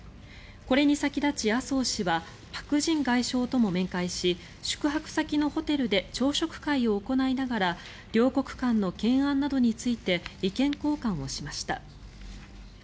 これに先立ち、麻生氏はパク・ジン外相とも面会し宿泊先のホテルで朝食会を行いながら両国間の懸案などについて意見交換をしました。